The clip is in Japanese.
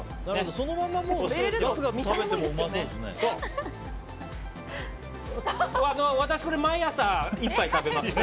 そのままガツガツ食べてもうまそうですね。